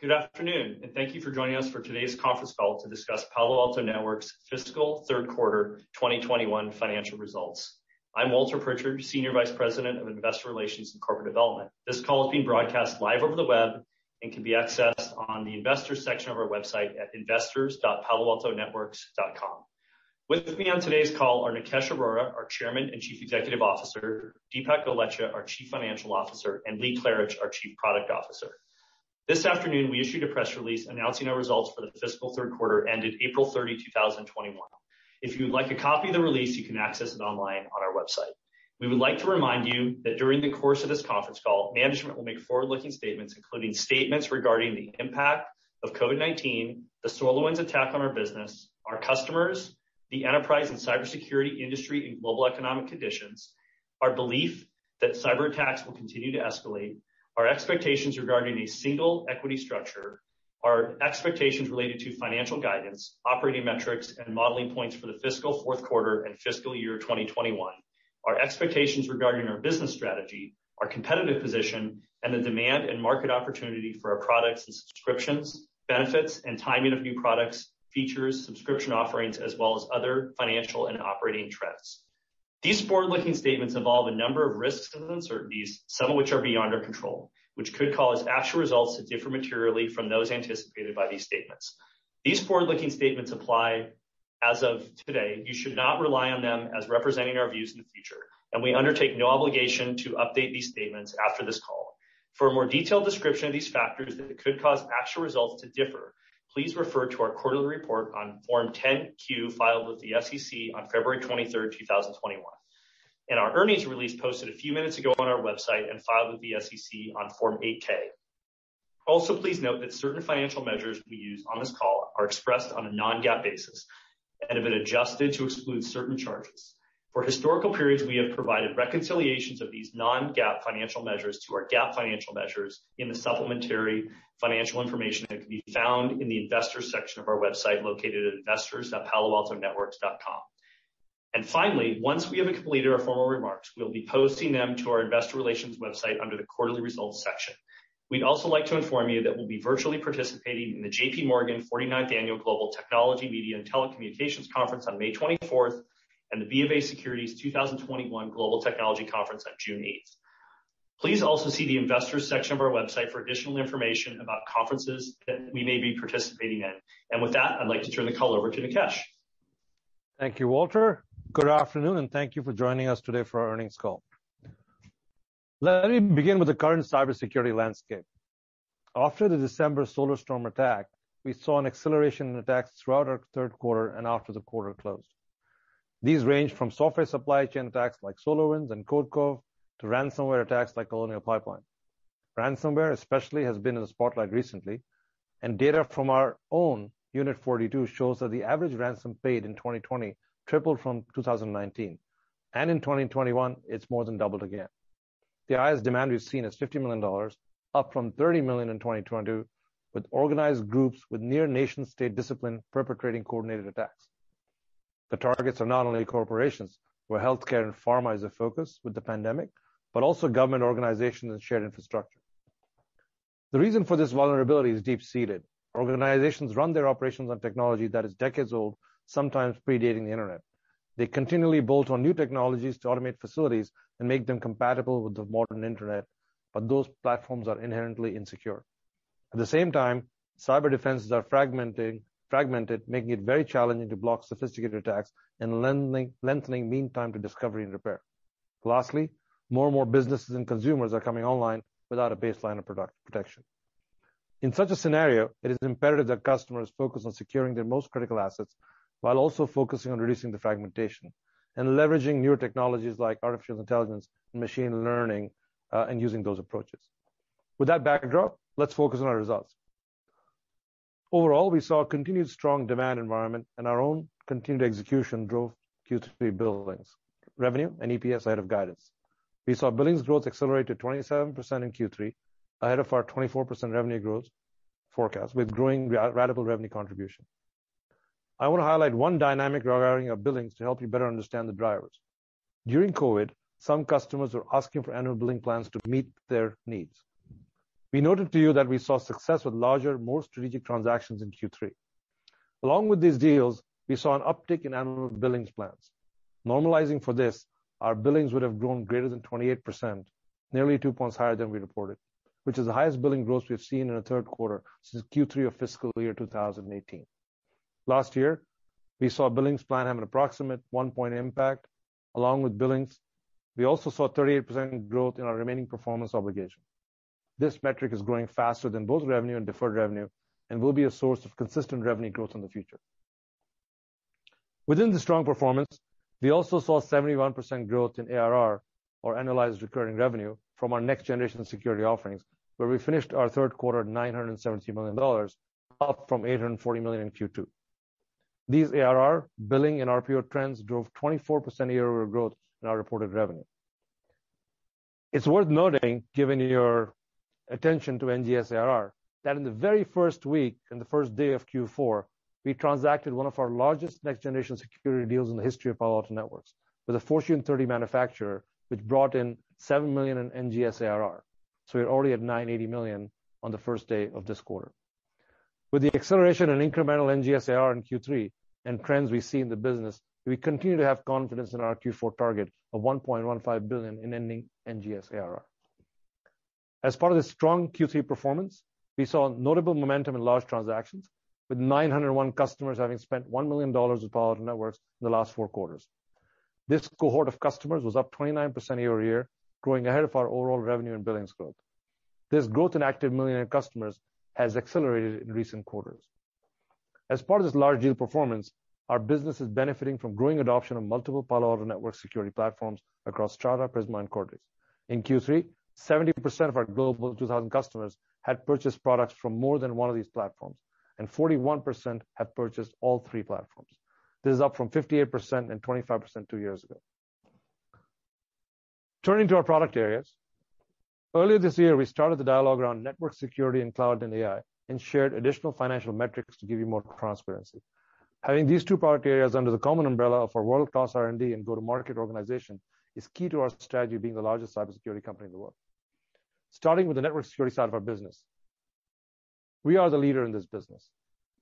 Good afternoon, thank you for joining us for today's conference call to discuss Palo Alto Networks' fiscal third quarter 2021 financial results. I'm Walter Pritchard, Senior Vice President of Investor Relations and Corporate Development. This call is being broadcast live over the web and can be accessed on the Investors section of our website at investors.paloaltonetworks.com. With me on today's call are Nikesh Arora, our Chairman and Chief Executive Officer, Dipak Golechha, our Chief Financial Officer, and Lee Klarich, our Chief Product Officer. This afternoon, we issued a press release announcing our results for the fiscal third quarter ended April 30, 2021. If you would like a copy of the release, you can access it online on our website. We would like to remind you that during the course of this conference call, management will make forward-looking statements, including statements regarding the impact of COVID-19, the SolarWinds attack on our business, our customers, the enterprise and cybersecurity industry, and global economic conditions, our belief that cyberattacks will continue to escalate. Our expectations regarding a single equity structure, our expectations related to financial guidance, operating metrics, and modeling points for the fiscal fourth quarter and fiscal year 2021, our expectations regarding our business strategy, our competitive position, and the demand and market opportunity for our products and subscriptions, benefits and timing of new products, features, subscription offerings, as well as other financial and operating trends. These forward-looking statements involve a number of risks and uncertainties, some of which are beyond our control, which could cause actual results to differ materially from those anticipated by these statements. These forward-looking statements apply as of today. You should not rely on them as representing our views in the future, and we undertake no obligation to update these statements after this call. For a more detailed description of these factors that could cause actual results to differ, please refer to our quarterly report on Form 10-Q filed with the SEC on February 23rd, 2021, and our earnings release posted a few minutes ago on our website and filed with the SEC on Form 8-K. Also, please note that certain financial measures we use on this call are expressed on a non-GAAP basis and have been adjusted to exclude certain charges. For historical periods, we have provided reconciliations of these non-GAAP financial measures to our GAAP financial measures in the supplementary financial information that can be found in the Investors section of our website located at investors.paloaltonetworks.com. Finally, once we have completed our formal remarks, we'll be posting them to our investor relations website under the quarterly Results section. We'd also like to inform you that we'll be virtually participating in the JPMorgan 49th Annual Global Technology, Media, and Telecommunications Conference on May 24th and the BofA Securities 2021 Global Technology Conference on June 8th. Please also see the Investors section of our website for additional information about conferences that we may be participating in. With that, I'd like to turn the call over to Nikesh. Thank you, Walter. Good afternoon, and thank you for joining us today for our earnings call. Let me begin with the current cybersecurity landscape. After the December SolarStorm attack, we saw an acceleration in attacks throughout our third quarter and after the quarter closed. These range from software supply chain attacks like SolarWinds and Codecov to ransomware attacks like Colonial Pipeline. Ransomware especially has been in the spotlight recently. Data from our own Unit 42 shows that the average ransom paid in 2020 tripled from 2019. In 2021, it's more than doubled again. The highest demand we've seen is $50 million, up from $30 million in 2020, with organized groups with near nation-state discipline perpetrating coordinated attacks. The targets are not only corporations, where healthcare and pharma is a focus with the pandemic, but also government organizations and shared infrastructure. The reason for this vulnerability is deep-seated. Organizations run their operations on technology that is decades old, sometimes predating the internet. They continually build on new technologies to automate facilities and make them compatible with the modern internet, but those platforms are inherently insecure. At the same time, cyber defenses are fragmented, making it very challenging to block sophisticated attacks and lengthening mean time to discovery and repair. Lastly, more and more businesses and consumers are coming online without a baseline of protection. In such a scenario, it is imperative that customers focus on securing their most critical assets while also focusing on reducing the fragmentation and leveraging new technologies like artificial intelligence and machine learning and using those approaches. With that backdrop, let's focus on our results. Overall, we saw a continued strong demand environment, and our own continued execution drove Q3 billings, revenue, and EPS ahead of guidance. We saw billings growth accelerate to 27% in Q3 ahead of our 24% revenue growth forecast with growing ratable revenue contribution. I want to highlight one dynamic regarding our billings to help you better understand the drivers. During COVID, some customers are asking for annual billing plans to meet their needs. We noted to you that we saw success with larger, more strategic transactions in Q3. Along with these deals, we saw an uptick in annual billings plans. Normalizing for this, our billings would have grown greater than 28%, nearly two points higher than we reported, which is the highest billing growth we've seen in a third quarter since Q3 of fiscal year 2018. Last year, we saw billings plan have an approximate one-point impact. Along with billings, we also saw 38% growth in our remaining performance obligation. This metric is growing faster than both revenue and deferred revenue and will be a source of consistent revenue growth in the future. Within the strong performance, we also saw 71% growth in ARR, or Annualized Recurring Revenue, from our next-generation security offerings, where we finished our third quarter at $970 million, up from $840 million in Q2. These ARR, billing, and RPO trends drove 24% year-over-year growth in our reported revenue. It's worth noting, given your attention to NGS ARR, that in the very first week, in the first day of Q4, we transacted one of our largest next-generation security deals in the history of Palo Alto Networks with a Fortune 30 manufacturer, which brought in $7 million in NGS ARR. We're already at $980 million on the first day of this quarter. With the acceleration in incremental NGS ARR in Q3 and trends we see in the business, we continue to have confidence in our Q4 target of $1.15 billion in ending NGS ARR. As part of the strong Q3 performance, we saw notable momentum in large transactions, with 901 customers having spent $1 million with Palo Alto Networks in the last four quarters. This cohort of customers was up 29% year-over-year, growing ahead of our overall revenue and billings growth. This growth in active millionaire customers has accelerated in recent quarters. As part of this large deal performance, our business is benefiting from growing adoption of multiple Palo Alto Networks security platforms across Strata, Prisma, and Cortex. In Q3, 70% of our Global 2000 customers had purchased products from more than one of these platforms, and 41% have purchased all three platforms. This is up from 58% and 25% two years ago. Turning to our product areas. Earlier this year, we started the dialogue around network security and cloud and AI and shared additional financial metrics to give you more transparency. Having these two product areas under the common umbrella of our world-class R&D and go-to-market organization is key to our strategy of being the largest cybersecurity company in the world. Starting with the network security side of our business. We are the leader in this business.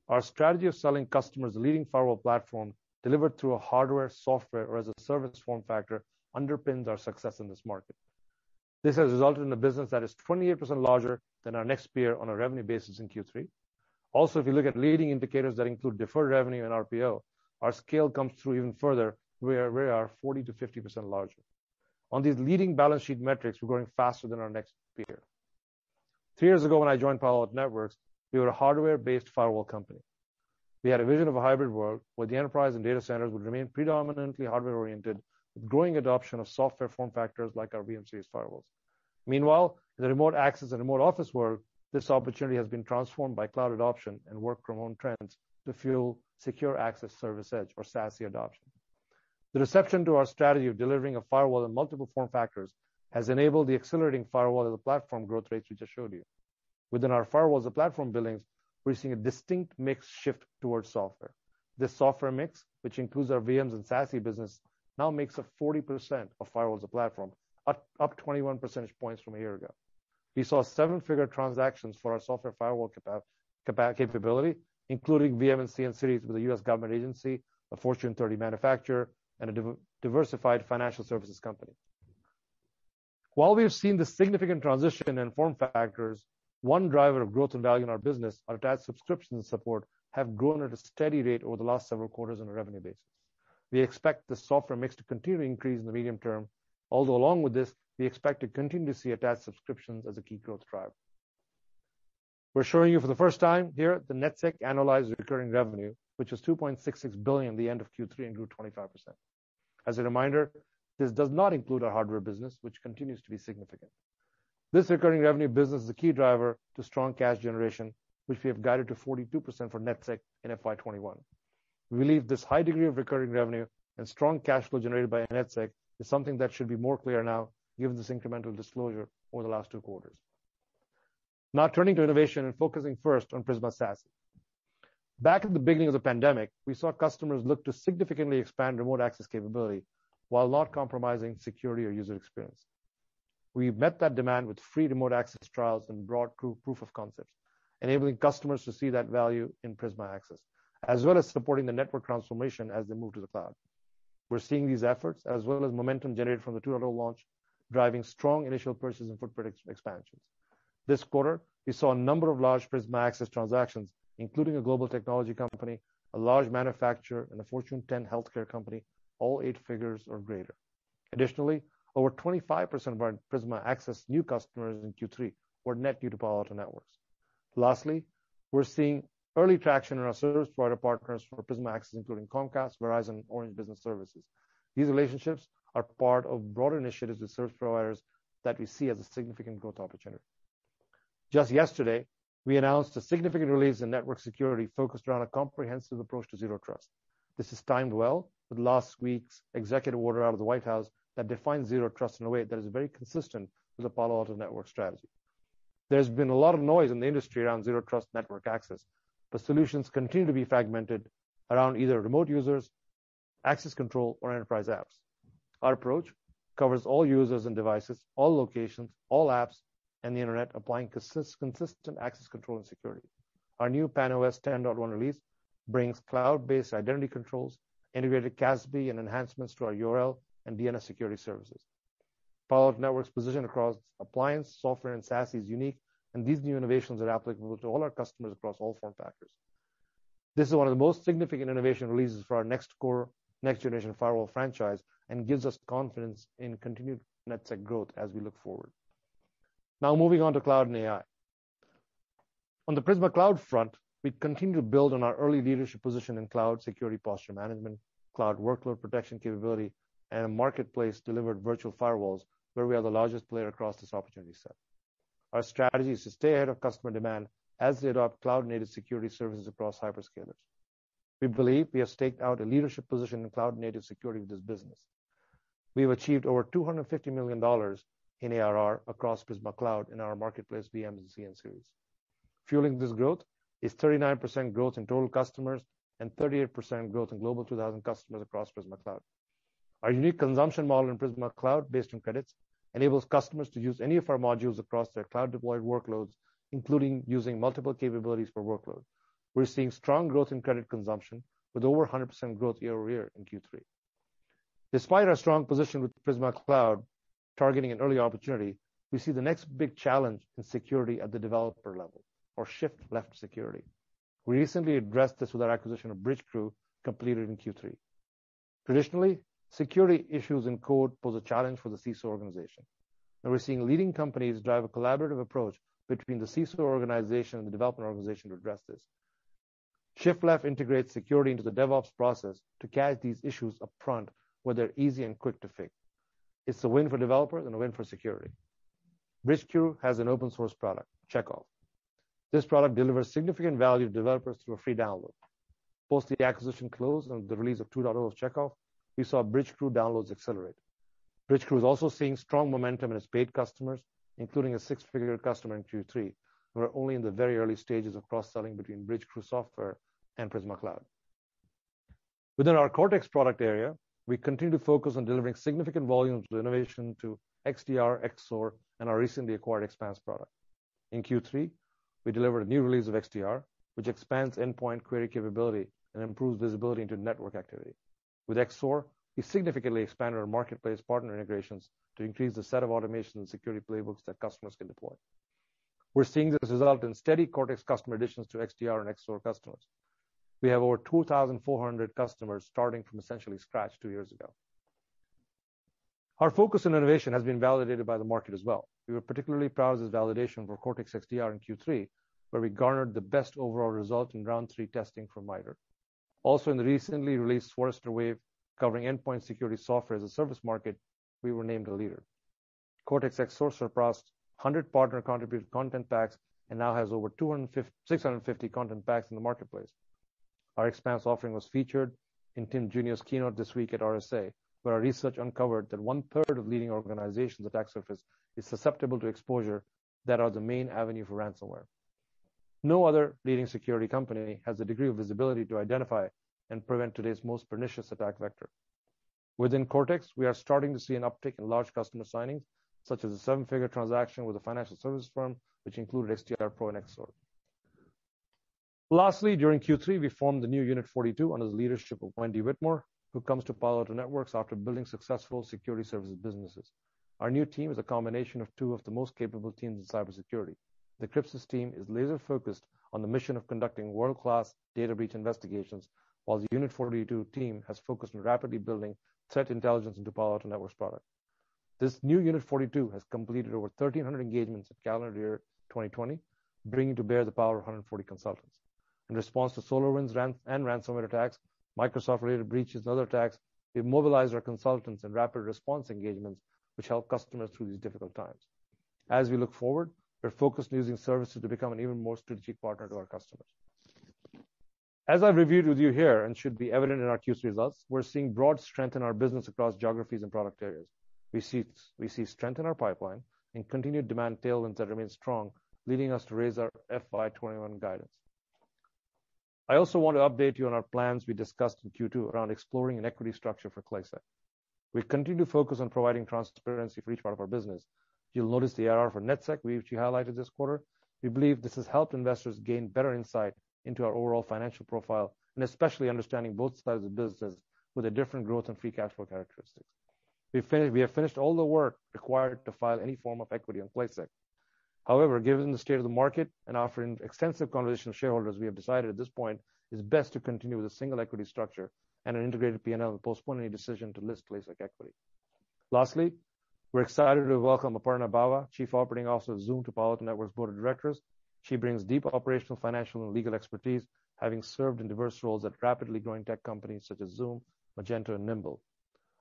Our strategy of selling customers a leading firewall platform delivered through a hardware, software, or as a service form factor underpins our success in this market. This has resulted in a business that is 28% larger than our next peer on a revenue basis in Q3. If you look at leading indicators that include deferred revenue and RPO, our scale comes through even further, where we are 40%-50% larger. On these leading balance sheet metrics, we're growing faster than our next peer. Three years ago, when I joined Palo Alto Networks, we were a hardware-based firewall company. We had a vision of a hybrid world where the enterprise and data centers would remain predominantly hardware-oriented, with growing adoption of software form factors like our VM-Series firewalls. Meanwhile, in the remote access and remote office world, this opportunity has been transformed by cloud adoption and work-from-home trends to fuel secure access service edge, or SASE adoption. The reception to our strategy of delivering a firewall in multiple form factors has enabled the accelerating firewall-as-a-platform growth rates we just showed you. Within our firewall-as-a-platform billings, we're seeing a distinct mix shift towards software. This software mix, which includes our VMs and SASE business, now makes up 40% of firewall as a platform, up 21 percentage points from a year ago. We saw seven-figure transactions for our software firewall capability, including VM and CN-Series with a U.S. government agency, a Fortune 30 manufacturer, and a diversified financial services company. While we have seen the significant transition in form factors, one driver of growth and value in our business, our attached subscriptions and support, have grown at a steady rate over the last several quarters on a revenue basis. We expect the software mix to continue to increase in the medium term, although along with this, we expect to continue to see attached subscriptions as a key growth driver. We're showing you for the first time here the NetSec annualized recurring revenue, which was $2.66 billion at the end of Q3 and grew 25%. As a reminder, this does not include our hardware business, which continues to be significant. This recurring revenue business is a key driver to strong cash generation, which we have guided to 42% for NetSec in FY 2021. We believe this high degree of recurring revenue and strong cash flow generated by NetSec is something that should be more clear now given this incremental disclosure over the last two quarters. Turning to innovation and focusing first on Prisma SASE. Back at the beginning of the pandemic, we saw customers look to significantly expand remote access capability while not compromising security or user experience. We met that demand with free remote access trials and broad proof of concepts, enabling customers to see that value in Prisma Access, as well as supporting the network transformation as they move to the cloud. We're seeing these efforts, as well as momentum generated from the 2.0 launch, driving strong initial purchases and footprint expansions. This quarter, we saw a number of large Prisma Access transactions, including a global technology company, a large manufacturer, and a Fortune 10 healthcare company, all eight figures or greater. Additionally, over 25% of our Prisma Access new customers in Q3 were net new to Palo Alto Networks. Lastly, we're seeing early traction in our service provider partners for Prisma Access, including Comcast, Verizon, and Orange Business Services. These relationships are part of broader initiatives with service providers that we see as a significant growth opportunity. Just yesterday, we announced a significant release in network security focused around a comprehensive approach to zero trust. This is timed well with last week's executive order out of the White House that defines zero trust in a way that is very consistent with the Palo Alto Networks strategy. There's been a lot of noise in the industry around zero trust network access, but solutions continue to be fragmented around either remote users, access control, or enterprise apps. Our approach covers all users and devices, all locations, all apps, and the internet, applying consistent access control and security. Our new PAN-OS 10.1 release brings cloud-based identity controls, integrated CASB, and enhancements to our URL and DNS security services. Palo Alto Networks' position across appliance, software, and SASE is unique, and these new innovations are applicable to all our customers across all form factors. This is one of the most significant innovation releases for our next core, next-generation firewall franchise and gives us confidence in continued NetSec growth as we look forward. Now moving on to Cloud and AI. On the Prisma Cloud front, we continue to build on our early leadership position in cloud security posture management, cloud workload protection capability, and a marketplace-delivered virtual firewalls, where we are the largest player across this opportunity set. Our strategy is to stay ahead of customer demand as they adopt cloud-native security services across hyperscalers. We believe we have staked out a leadership position in cloud-native security with this business. We have achieved over $250 million in ARR across Prisma Cloud in our marketplace VM and CN series. Fueling this growth is 39% growth in total customers and 38% growth in global 2000 customers across Prisma Cloud. Our unique consumption model in Prisma Cloud based on credits enables customers to use any of our modules across their cloud deployed workloads, including using multiple capabilities per workload. We're seeing strong growth in credit consumption with over 100% growth year-over-year in Q3. Despite our strong position with Prisma Cloud targeting an early opportunity, we see the next big challenge in security at the developer level or shift-left security. We recently addressed this with our acquisition of Bridgecrew completed in Q3. Traditionally, security issues in code pose a challenge for the CISO organization, and we're seeing leading companies drive a collaborative approach between the CISO organization and developer organization to address this. Shift-left integrates security into the DevOps process to catch these issues upfront when they're easy and quick to fix. It's a win for developers and a win for security. Bridgecrew has an open source product, Checkov. This product delivers significant value to developers through a free download. Post the acquisition close and the release of 2.0 Checkov, we saw Bridgecrew downloads accelerate. Bridgecrew is also seeing strong momentum in its paid customers, including a six-figure customer in Q3. We're only in the very early stages of cross-selling between Bridgecrew software and Prisma Cloud. Within our Cortex product area, we continue to focus on delivering significant volumes of innovation to XDR, XSOAR, and our recently acquired Expanse product. In Q3, we delivered a new release of XDR, which expands endpoint query capability and improves visibility into network activity. With XSOAR, we significantly expanded our marketplace partner integrations to increase the set of automation and security playbooks that customers can deploy. We're seeing this result in steady Cortex customer additions to XDR and XSOAR customers. We have over 2,400 customers starting from essentially scratch two years ago. Our focus on innovation has been validated by the market as well. We were particularly proud of this validation for Cortex XDR in Q3, where we garnered the best overall result in round three testing from MITRE. Also, in the recently released Forrester Wave covering endpoint security software as a service market, we were named a leader. Cortex XSOAR surpassed 100 partner-contributed content packs and now has over 650 content packs in the marketplace. Our Expanse offering was featured in Tim Junio's keynote this week at RSA, where our research uncovered that 1/3 of leading organizations' attack surface is susceptible to exposure that are the main avenue for ransomware. No other leading security company has the degree of visibility to identify and prevent today's most pernicious attack vector. Within Cortex, we are starting to see an uptick in large customer signings, such as a seven-figure transaction with a financial services firm, which included XDR Pro and XSOAR. Lastly, during Q3, we formed the new Unit 42 under the leadership of Wendi Whitmore, who comes to Palo Alto Networks after building successful security services businesses. Our new team is a combination of two of the most capable teams in cybersecurity. The Crypsis team is laser-focused on the mission of conducting world-class data breach investigations, while the Unit 42 team has focused on rapidly building threat intelligence into Palo Alto Networks product. This new Unit 42 has completed over 1,300 engagements in calendar year 2020, bringing to bear the power of 140 consultants. In response to SolarWinds and ransomware attacks, Microsoft-related breaches, and other attacks, we've mobilized our consultants in rapid response engagements, which help customers through these difficult times. As we look forward, we're focused on using services to become an even more strategic partner to our customers. As I've reviewed with you here, and should be evident in our Q3 results, we're seeing broad strength in our business across geographies and product areas. We see strength in our pipeline and continued demand tailwinds that remain strong, leading us to raise our FY 2021 guidance. I also want to update you on our plans we discussed in Q2 around exploring an equity structure for ClaiSec. We've continued to focus on providing transparency for each part of our business. You'll notice the ARR for NetSec, which we highlighted this quarter. We believe this has helped investors gain better insight into our overall financial profile, and especially understanding both sides of the business with a different growth and free cash flow characteristics. We have finished all the work required to file any form of equity on ClaiSec. Given the state of the market and after an extensive conversation with shareholders, we have decided at this point it's best to continue with a single equity structure and an integrated P&L postponing decision to list ClaiSec equity. We're excited to welcome Aparna Bawa, Chief Operating Officer of Zoom, to Palo Alto Networks Board of Directors. She brings deep operational, financial, and legal expertise, having served in diverse roles at rapidly growing tech companies such as Zoom, Magento, and Nimble.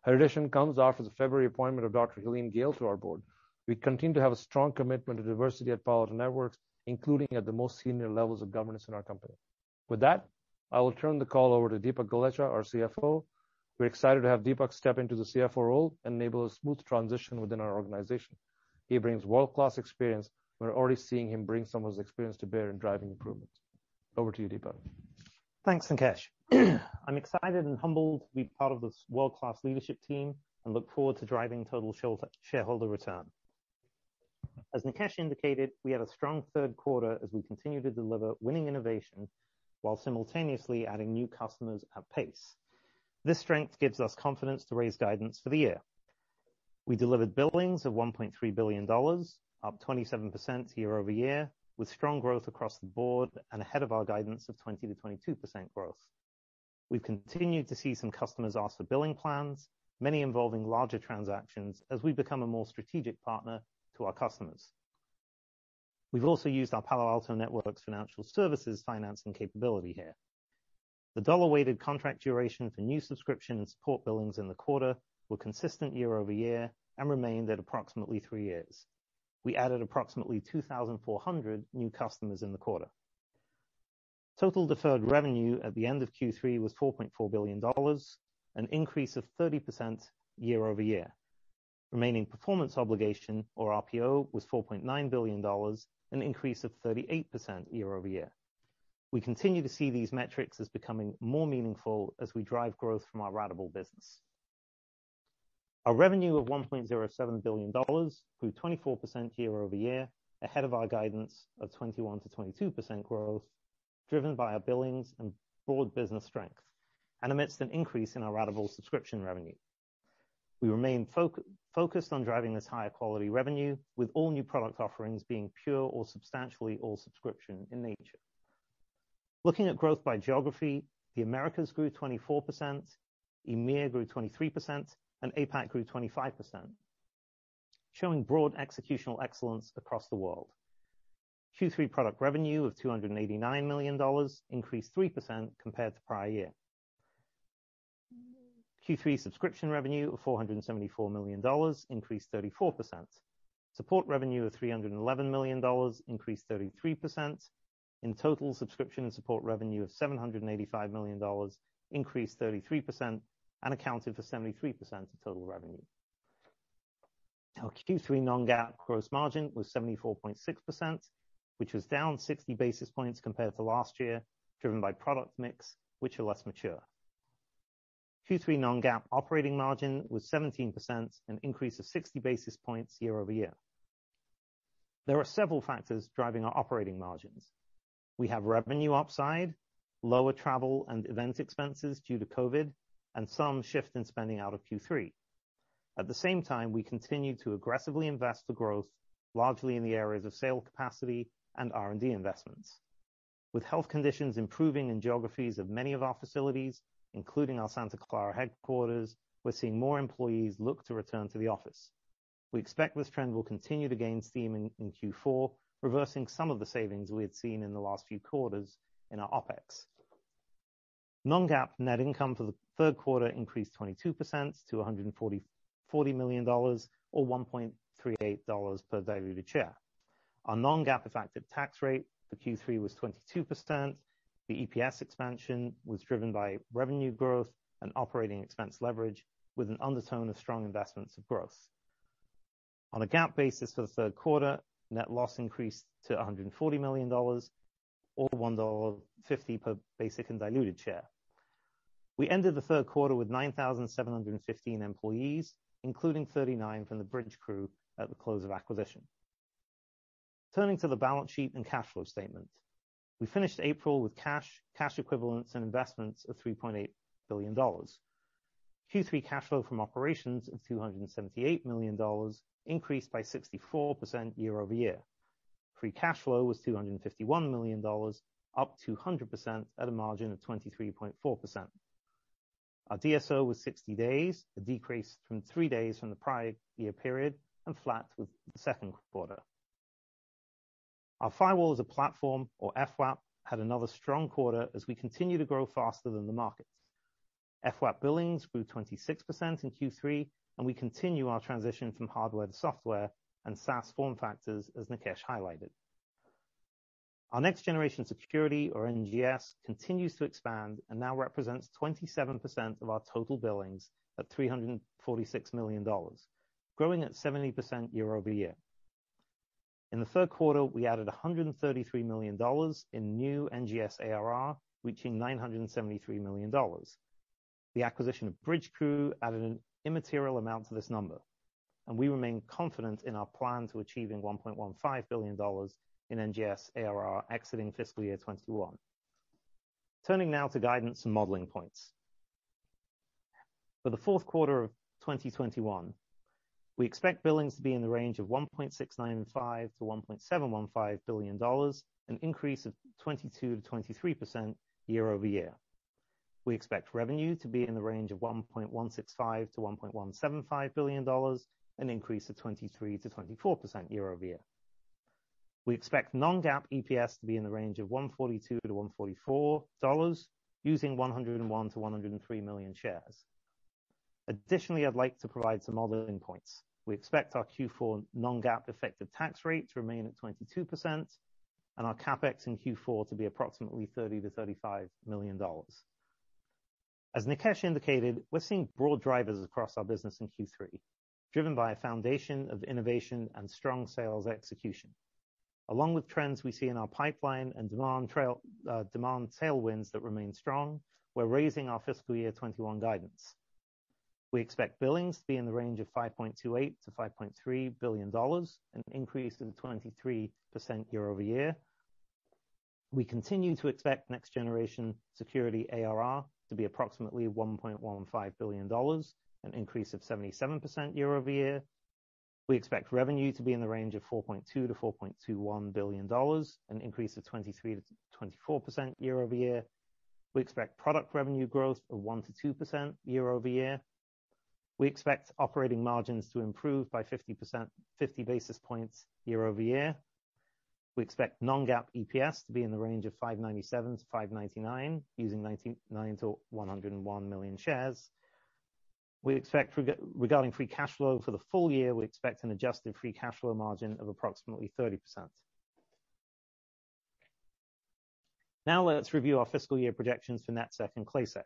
Her addition comes after the February appointment of Dr. Helene Gayle to our Board. We continue to have a strong commitment to diversity at Palo Alto Networks, including at the most senior levels of governance in our company. With that, I will turn the call over to Dipak Golechha, our CFO. We're excited to have Dipak step into the CFO role and enable a smooth transition within our organization. He brings world-class experience. We're already seeing him bring some of his experience to bear in driving improvements. Over to you, Dipak. Thanks, Nikesh. I'm excited and humbled to be part of this world-class leadership team and look forward to driving total shareholder return. As Nikesh indicated, we had a strong third quarter as we continue to deliver winning innovation while simultaneously adding new customers at pace. This strength gives us confidence to raise guidance for the year. We delivered billings of $1.3 billion, up 27% year-over-year, with strong growth across the board and ahead of our guidance of 20%-22% growth. We've continued to see some customers ask for billing plans, many involving larger transactions, as we become a more strategic partner to our customers. We've also used our Palo Alto Networks financial services financing capability here. The dollar-weighted contract duration for new subscription and support billings in the quarter were consistent year-over-year and remained at approximately three years. We added approximately 2,400 new customers in the quarter. Total deferred revenue at the end of Q3 was $4.4 billion, an increase of 30% year-over-year. Remaining performance obligation or RPO was $4.9 billion, an increase of 38% year-over-year. We continue to see these metrics as becoming more meaningful as we drive growth from our ratable business. Our revenue of $1.07 billion grew 24% year-over-year, ahead of our guidance of 21%-22% growth, driven by our billings and broad business strength, amidst an increase in our ratable subscription revenue. We remain focused on driving this higher quality revenue, with all new product offerings being pure or substantially all subscription in nature. Looking at growth by geography, the Americas grew 24%, EMEA grew 23%, APAC grew 25%, showing broad executional excellence across the world. Q3 product revenue of $289 million increased 3% compared to prior year. Q3 subscription revenue of $474 million increased 34%. Support revenue of $311 million increased 33%. In total, subscription and support revenue of $785 million increased 33% and accounted for 73% of total revenue. Our Q3 non-GAAP gross margin was 74.6%, which was down 60 basis points compared to last year, driven by product mix, which are less mature. Q3 non-GAAP operating margin was 17%, an increase of 60 basis points year-over-year. There are several factors driving our operating margins. We have revenue upside, lower travel and event expenses due to COVID-19, and some shift in spending out of Q3. At the same time, we continue to aggressively invest for growth, largely in the areas of sales capacity and R&D investments. With health conditions improving in geographies of many of our facilities, including our Santa Clara headquarters, we're seeing more employees look to return to the office. We expect this trend will continue to gain steam in Q4, reversing some of the savings we had seen in the last few quarters in our OpEx. Non-GAAP net income for the third quarter increased 22% to $140 million or $1.38 per diluted share. Our non-GAAP effective tax rate for Q3 was 22%. The EPS expansion was driven by revenue growth and operating expense leverage with an undertone of strong investments for growth. On a GAAP basis for the third quarter, net loss increased to $140 million or $1.50 per basic and diluted share. We ended the third quarter with 9,715 employees, including 39 from the Bridgecrew at the close of acquisition. Turning to the balance sheet and cash flow statement. We finished April with cash equivalents, and investments of $3.8 billion. Q3 cash flow from operations of $278 million increased by 64% year-over-year. Free cash flow was $251 million, up 200% at a margin of 23.4%. Our DSO was 60 days, a decrease from three days from the prior year period, and flat with the second quarter. Our Firewall as a Platform or FWaaP had another strong quarter as we continue to grow faster than the market. FWaaP billings grew 26% in Q3, and we continue our transition from hardware to software and SaaS form factors, as Nikesh highlighted. Our Next-Generation Security, or NGS, continues to expand and now represents 27% of our total billings at $346 million, growing at 70% year-over-year. In the third quarter, we added $133 million in new NGS ARR, reaching $973 million. The acquisition of Bridgecrew added an immaterial amount to this number, and we remain confident in our plan to achieving $1.15 billion in NGS ARR exiting fiscal year 2021. Turning now to guidance and modeling points. For the fourth quarter of 2021, we expect billings to be in the range of $1.695 billion-$1.715 billion, an increase of 22%-23% year-over-year. We expect revenue to be in the range of $1.165 billion-$1.175 billion, an increase of 23%-24% year-over-year. We expect non-GAAP EPS to be in the range of $1.42-$1.44, using 101 million-103 million shares. Additionally, I'd like to provide some modeling points. We expect our Q4 non-GAAP effective tax rate to remain at 22% and our CapEx in Q4 to be approximately $30 million-$35 million. As Nikesh indicated, we're seeing broad drivers across our business in Q3, driven by a foundation of innovation and strong sales execution. Along with trends we see in our pipeline and demand tailwinds that remain strong, we're raising our fiscal year 2021 guidance. We expect billings to be in the range of $5.28 billion-$5.3 billion, an increase of 23% year-over-year. We continue to expect Next-Generation Security ARR to be approximately $1.15 billion, an increase of 77% year-over-year. We expect revenue to be in the range of $4.2 billion-$4.21 billion, an increase of 23%-24% year-over-year. We expect product revenue growth of 1%-2% year-over-year. We expect operating margins to improve by 50 basis points year-over-year. We expect non-GAAP EPS to be in the range of $5.97-$5.99, using 99 million-101 million shares. Regarding free cash flow for the full year, we expect an adjusted free cash flow margin of approximately 30%. Let's review our fiscal year projections for NetSec and ClaiSec.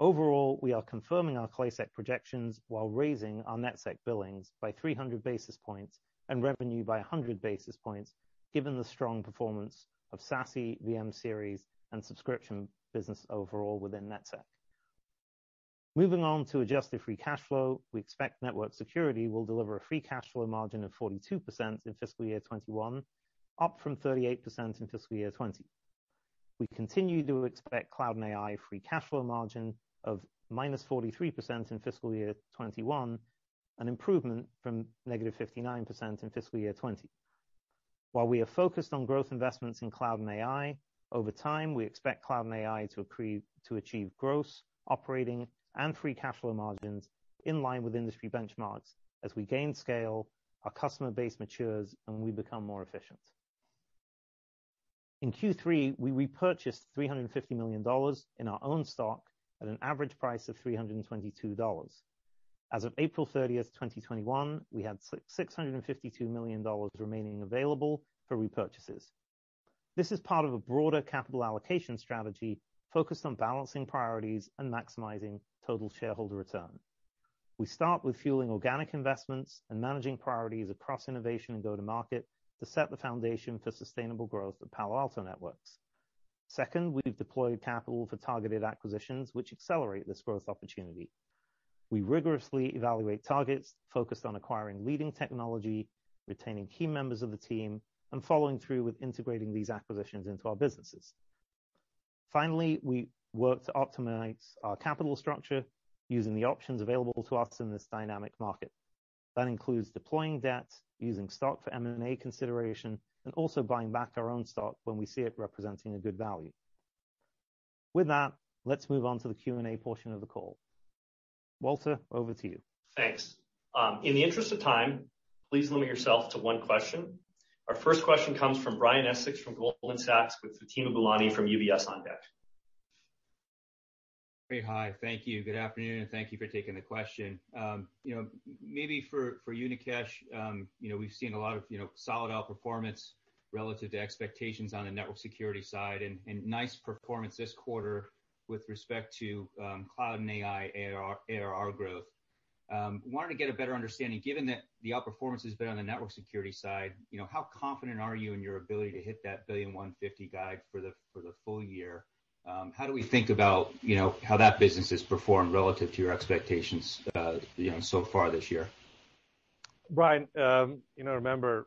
Overall, we are confirming our ClaiSec projections while raising our NetSec billings by 300 basis points and revenue by 100 basis points, given the strong performance of SASE, VM-Series, and subscription business overall within NetSec. Moving on to adjusted free cash flow, we expect network security will deliver a free cash flow margin of 42% in fiscal year 2021, up from 38% in fiscal year 2020. We continue to expect cloud and AI free cash flow margin of -43% in fiscal year 2021, an improvement from -59% in fiscal year 2020. While we are focused on growth investments in cloud and AI, over time, we expect cloud and AI to achieve gross operating and free cash flow margins in line with industry benchmarks as we gain scale, our customer base matures, and we become more efficient. In Q3, we repurchased $350 million in our own stock at an average price of $322. As of April 30th, 2021, we had $652 million remaining available for repurchases. This is part of a broader capital allocation strategy focused on balancing priorities and maximizing total shareholder return. We start with fueling organic investments and managing priorities across innovation and go-to-market to set the foundation for sustainable growth at Palo Alto Networks. Second, we've deployed capital for targeted acquisitions, which accelerate this growth opportunity. We rigorously evaluate targets focused on acquiring leading technology, retaining key members of the team, and following through with integrating these acquisitions into our businesses. Finally, we work to optimize our capital structure using the options available to us in this dynamic market. That includes deploying debt, using stock for M&A consideration, and also buying back our own stock when we see it representing a good value. With that, let's move on to the Q&A portion of the call. Walter, over to you. Thanks. In the interest of time, please limit yourself to one question. Our first question comes from Brian Essex from Goldman Sachs, with Fatima Boolani from UBS on deck. Hey. Hi. Thank you. Good afternoon, and thank you for taking the question. Maybe for you, Nikesh, we've seen a lot of solid outperformance relative to expectations on the network security side and nice performance this quarter with respect to cloud and AI ARR growth. Wanted to get a better understanding, given that the outperformance has been on the network security side, how confident are you in your ability to hit that $1.150 billion guide for the full year? How do we think about how that business has performed relative to your expectations so far this year? Brian, remember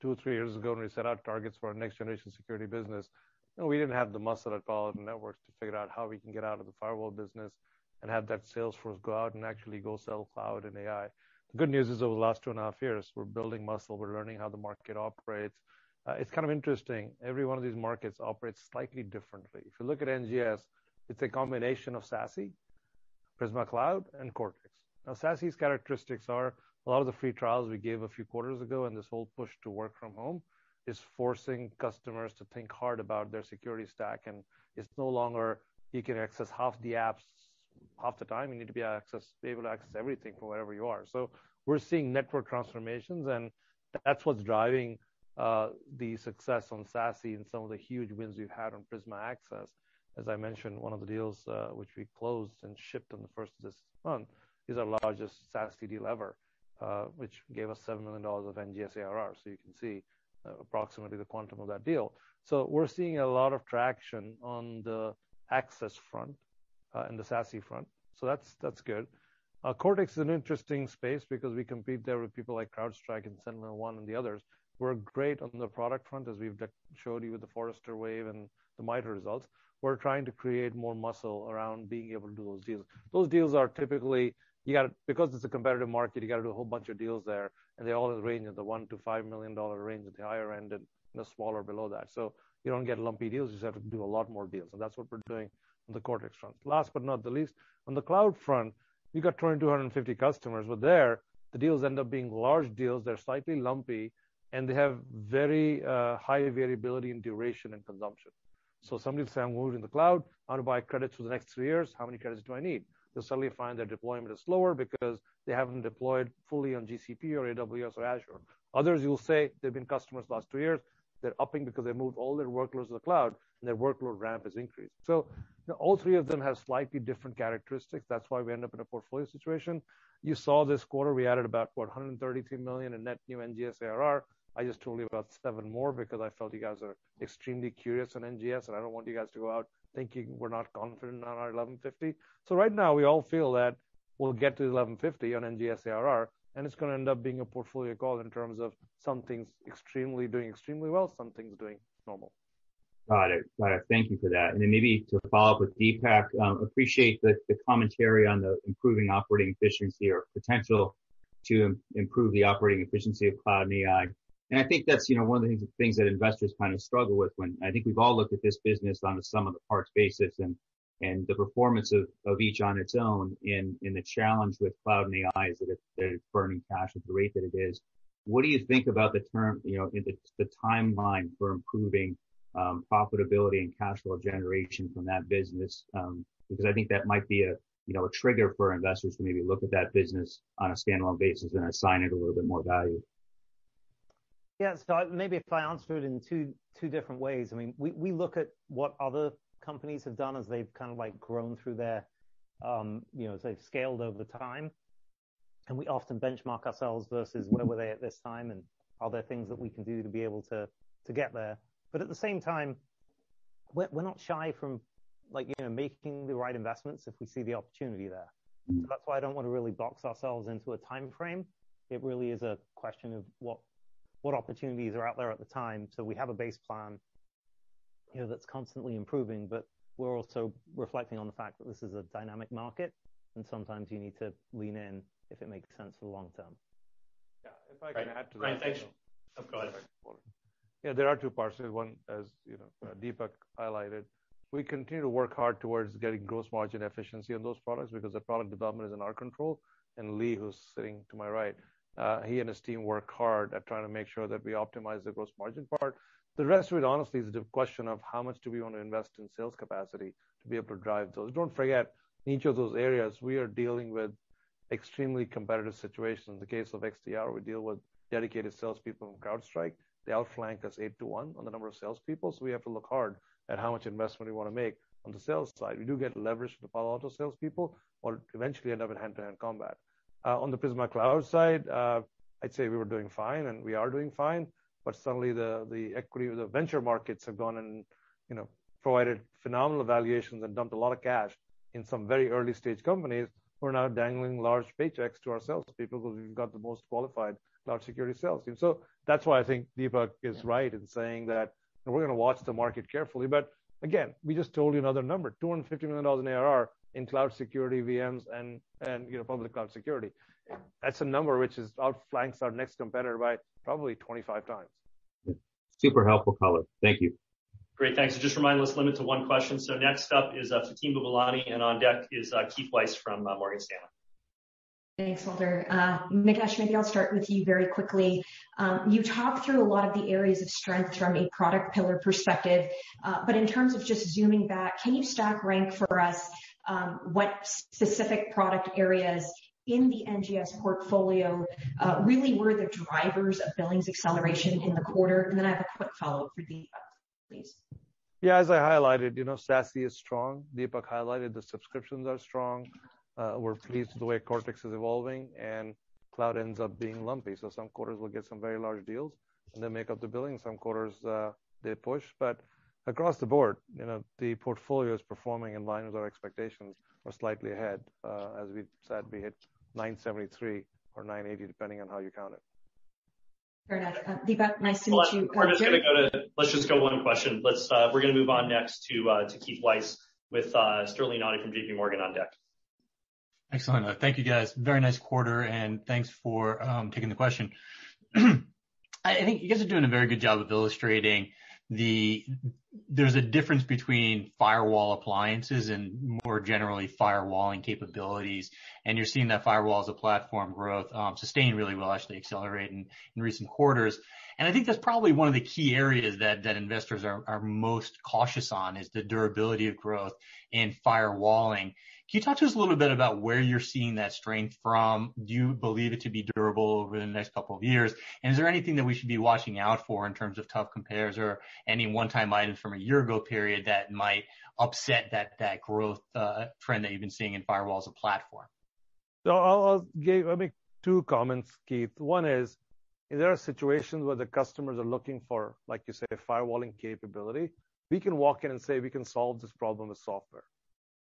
two, three years ago, when we set out targets for our next generation security business, we didn't have the muscle at Palo Alto Networks to figure out how we can get out of the firewall business and have that sales force go out and actually go sell Cloud and AI. The good news is, over the last two and a half years, we're building muscle. We're learning how the market operates. It's kind of interesting. Every one of these markets operates slightly differently. If you look at NGS, it's a combination of SASE, Prisma Cloud, and Cortex. SASE's characteristics are a lot of the free trials we gave a few quarters ago, and this whole push to work from home is forcing customers to think hard about their security stack. It's no longer you can access half the apps half the time. You need to be able to access everything from wherever you are. We're seeing network transformations, and that's what's driving the success on SASE and some of the huge wins we've had on Prisma Access. As I mentioned, one of the deals which we closed and shipped on the first of this month is our largest SASE deal ever, which gave us $7 million of NGS ARR, so you can see approximately the quantum of that deal. We're seeing a lot of traction on the access front and the SASE front. That's good. Cortex is an interesting space because we compete there with people like CrowdStrike and SentinelOne and the others. We're great on the product front, as we've showed you with the Forrester Wave and the MITRE results. We're trying to create more muscle around being able to do those deals. Those deals are typically, because it's a competitive market, you got to do a whole bunch of deals there, and they all range in the $1 million-$5 million range at the higher end, and the smaller below that. You don't get lumpy deals. You just have to do a lot more deals, and that's what we're doing on the Cortex front. Last but not the least, on the cloud front, you got 2,250 customers, there the deals end up being large deals. They're slightly lumpy, they have very high variability in duration and consumption. Some people say, "I'm moving to the cloud. I want to buy credits for the next three years. How many credits do I need?" They'll suddenly find their deployment is slower because they haven't deployed fully on GCP or AWS or Azure. Others, you'll say they've been customers last two years. They're upping because they moved all their workloads to the cloud and their workload ramp has increased. All three of them have slightly different characteristics. That's why we end up in a portfolio situation. You saw this quarter, we added about $132 million in net new NGS ARR. I just told you about seven more because I felt you guys are extremely curious on NGS, and I don't want you guys to go out thinking we're not confident on our $1,150. Right now, we all feel that we'll get to $1,150 on NGS ARR, and it's going to end up being a portfolio call in terms of some things doing extremely well, some things doing normal. Got it. Thank you for that. Then maybe to follow up with Dipak, appreciate the commentary on the improving operating efficiency or potential to improve the operating efficiency of cloud and AI. I think that's one of the things that investors kind of struggle with when I think we've all looked at this business on a sum of the parts basis and the performance of each on its own in the challenge with cloud and AI is that it's burning cash at the rate that it is. What do you think about the timeline for improving profitability and cash flow generation from that business? Because I think that might be a trigger for investors to maybe look at that business on a standalone basis and assign it a little bit more value. Yeah. Maybe if I answered it in two different ways. We look at what other companies have done as they've scaled over time, and we often benchmark ourselves versus where were they at this time, and are there things that we can do to be able to get there? At the same time, we're not shy from making the right investments if we see the opportunity there. That's why I don't want to really box ourselves into a timeframe. It really is a question of what opportunities are out there at the time. We have a base plan that's constantly improving, but we're also reflecting on the fact that this is a dynamic market, and sometimes you need to lean in if it makes sense for the long term. Yeah. If I can add to that- Great. Thanks. Of course. There are two parts here. One, as Dipak highlighted, we continue to work hard towards getting gross margin efficiency on those products because the product development is in our control. Lee, who's sitting to my right, he and his team work hard at trying to make sure that we optimize the gross margin part. The rest of it, honestly, is the question of how much do we want to invest in sales capacity to be able to drive those. Don't forget, in each of those areas, we are dealing with extremely competitive situations. In the case of XDR, we deal with dedicated salespeople from CrowdStrike. They outflank us eight to one on the number of salespeople, so we have to look hard at how much investment we want to make on the sales side. We do get leverage from the Palo Alto salespeople, or eventually end up in hand-to-hand combat. On the Prisma Cloud side, I'd say we were doing fine, and we are doing fine, but suddenly the equity or the venture markets have gone and provided phenomenal valuations and dumped a lot of cash in some very early-stage companies who are now dangling large paychecks to our salespeople because we've got the most qualified cloud security sales team. That's why I think Dipak is right in saying that we're going to watch the market carefully. Again, we just told you another number, $250 million in ARR in cloud security VMs and public cloud security. That's a number which outflanks our next competitor by probably 25 times. Super helpful color. Thank you. Great. Thanks. Just a reminder, let's limit to one question. Next up is Fatima Boolani, and on deck is Keith Weiss from Morgan Stanley. Thanks, Walter. Nikesh, maybe I'll start with you very quickly. You talked through a lot of the areas of strength from a product pillar perspective. In terms of just zooming back, can you stack rank for us what specific product areas in the NGS portfolio really were the drivers of billings acceleration in the quarter? I have a quick follow-up for Dipak, please. Yeah. As I highlighted, SASE is strong. Dipak highlighted the subscriptions are strong. We're pleased with the way Cortex is evolving, and cloud ends up being lumpy. Some quarters will get some very large deals, and they make up the billing. Some quarters, they push. Across the board, the portfolio is performing in line with our expectations or slightly ahead. As we've said, we hit 973 or 980, depending on how you count it. Fair enough. Dipak, nice to meet you. Hold on. Let's just go one question. We're going to move on next to Keith Weiss with Sterling Auty from JPMorgan on deck. Excellent. Thank you, guys. Very nice quarter, and thanks for taking the question. I think you guys are doing a very good job of illustrating there's a difference between firewall appliances and more generally firewalling capabilities, and you're seeing that firewall as a platform growth sustain really well, actually accelerating in recent quarters. I think that's probably one of the key areas that investors are most cautious on is the durability of growth in firewalling. Can you talk to us a little bit about where you're seeing that strength from? Do you believe it to be durable over the next couple of years? Is there anything that we should be watching out for in terms of tough compares or any one-time item from a year ago period that might upset that growth trend that you've been seeing in firewall as a platform? I'll make two comments, Keith. One is, there are situations where the customers are looking for, like you say, firewalling capability. We can walk in and say we can solve this problem with software,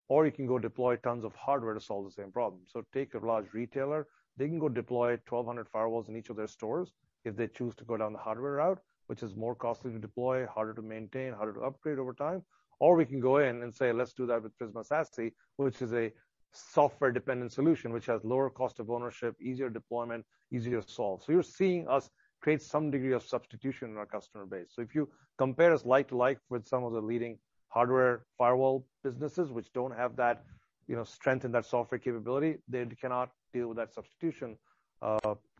or you can go deploy tons of hardware to solve the same problem. Take a large retailer. They can go deploy 1,200 firewalls in each of their stores if they choose to go down the hardware route, which is more costly to deploy, harder to maintain, harder to upgrade over time. Or we can go in and say, let's do that with Prisma SASE, which is a software-dependent solution which has lower cost of ownership, easier deployment, easier to solve. You're seeing us create some degree of substitution in our customer base. If you compare us like to like with some of the leading hardware firewall businesses, which don't have that strength in that software capability, they cannot deal with that substitution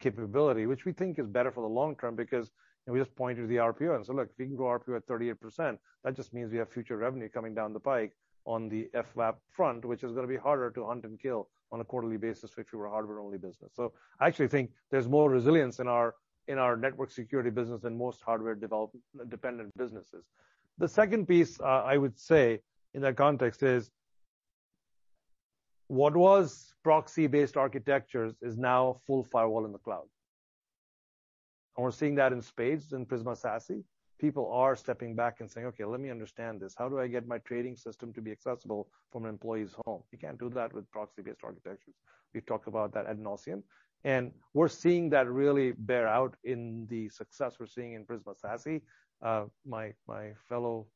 capability. We think is better for the long term because, and we just pointed to the RPO and said, "Look, if we can grow RPO at 38%, that just means we have future revenue coming down the pike on the FWaaP front, which is going to be harder to hunt and kill on a quarterly basis if you were a hardware-only business." I actually think there's more resilience in our network security business than most hardware-dependent businesses. The second piece, I would say in that context is, what was proxy-based architectures is now full firewall in the cloud. We're seeing that in spades in Prisma SASE. People are stepping back and saying, "Okay, let me understand this. How do I get my trading system to be accessible from an employee's home?" You can't do that with proxy-based architectures. We've talked about that ad nauseam. We're seeing that really bear out in the success we're seeing in Prisma SASE. My fellow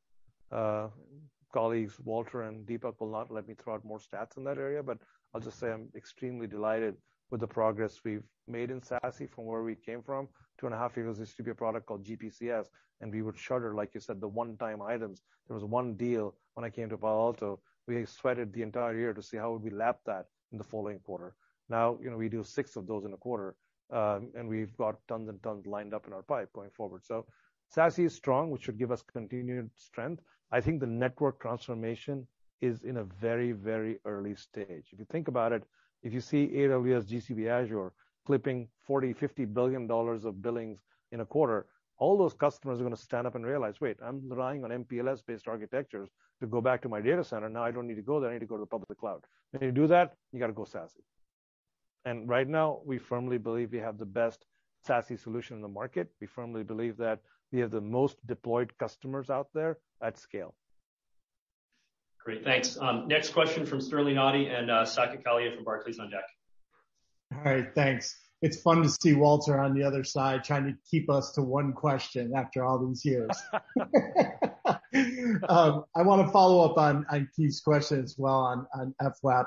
colleagues, Walter and Dipak, will not let me throw out more stats in that area, but I'll just say I'm extremely delighted with the progress we've made in SASE from where we came from two and a half years. This used to be a product called GPCS, and we would shudder, like you said, the one-time items. There was one deal when I came to Palo Alto, we sweated the entire year to see how we would lap that in the following quarter. Now, we do six of those in a quarter, and we've got tons and tons lined up in our pipe going forward. SASE is strong, which should give us continued strength. I think the network transformation is in a very, very early stage. If you think about it, if you see AWS, GCP, Azure clipping $40 billion, $50 billion of billings in a quarter, all those customers are going to stand up and realize, "Wait, I'm relying on MPLS-based architectures to go back to my data center. Now I don't need to go there. I need to go to the public cloud." When you do that, you got to go SASE. Right now, we firmly believe we have the best SASE solution in the market. We firmly believe that we have the most deployed customers out there at scale. Great. Thanks. Next question from Sterling Auty and Saket Kalia from Barclays on deck. All right, thanks. It's fun to see Walter on the other side trying to keep us to one question after all these years. I want to follow up on Keith's question as well on FWaaP.